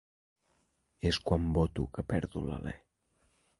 És quan boto que perdo l'alè.